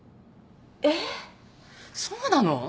えっそうなの？